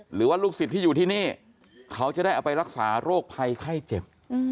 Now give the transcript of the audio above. หรือว่าลูกศิษย์ที่อยู่ที่นี่เขาจะได้เอาไปรักษาโรคภัยไข้เจ็บ